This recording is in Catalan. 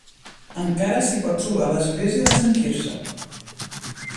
Encara s'hi pot trobar l'església de Sant Quirze.